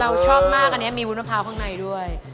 ชอบมากอันนี้มีวุ้นมะพร้าวข้างในด้วย